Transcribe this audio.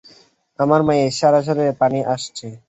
আমার মায়ের সারা শরীরে পানি আসছে।